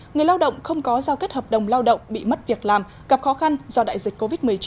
người lao động không có giao kết hợp đồng lao động bị mất việc làm gặp khó khăn do đại dịch covid một mươi chín